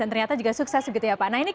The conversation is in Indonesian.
dan ternyata juga sukses begitu ya pak